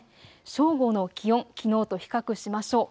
正午の気温、きのうと比較しましょう。